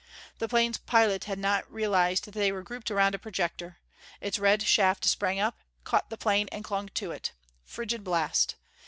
The plane's pilot had not realized that they were grouped around a projector; its red shaft sprang up, caught the plane and clung to it. Frigid blast!